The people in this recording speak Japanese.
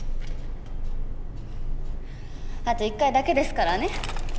あと一回だけですからね。